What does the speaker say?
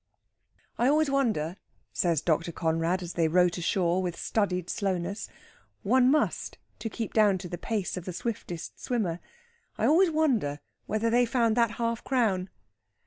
"I always wonder," says Dr. Conrad, as they row to shore with studied slowness one must, to keep down to the pace of the swiftest swimmer "I always wonder whether they found that half crown."